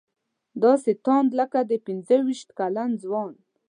داسې تاند لکه د پنځه ویشت کلن ځوان.